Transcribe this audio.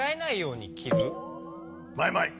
マイマイ。